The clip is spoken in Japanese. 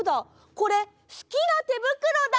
これすきなてぶくろだ！